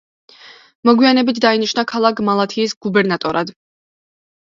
მოგვიანებით დაინიშნა ქალაქ მალათიის გუბერნატორად.